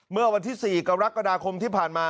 เมื่อวันที่๔กรกฎาคมที่ผ่านมา